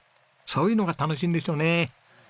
そういうのが楽しいんでしょうね。